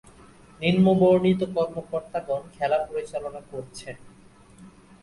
নিম্নবর্ণিত কর্মকর্তাগণ খেলা পরিচালনা করছেন:-